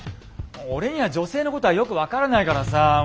俺には女性のことはよく分からないからさあ